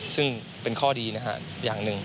ซึ่งเป็นข้อดีนะฮะอย่างหนึ่ง